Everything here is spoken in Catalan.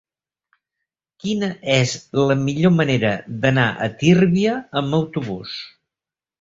Quina és la millor manera d'anar a Tírvia amb autobús?